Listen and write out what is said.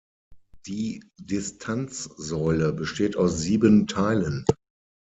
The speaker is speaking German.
Die Distanzsäule besteht aus sieben Teilen.